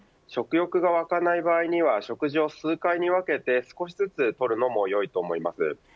食欲がわかない場合には食事を数回に分けて少しずつ取るのもよいと思います。